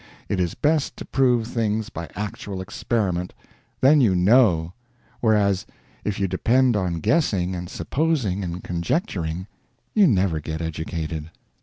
It is best to prove things by actual experiment; then you know; whereas if you depend on guessing and supposing and conjecturing, you never get educated.